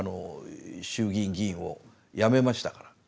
衆議院議員を辞めましたから。